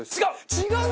違う！